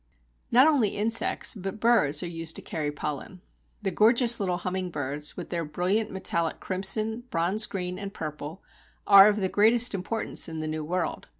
Not only insects but birds are used to carry pollen. The gorgeous little humming birds, with their brilliant metallic crimson, bronze green, and purple, are of the greatest importance in the New World.